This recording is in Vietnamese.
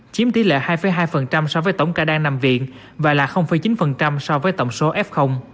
chiếm tỷ lệ hai hai so với tổng ca đang nằm viện và là chín so với tổng số f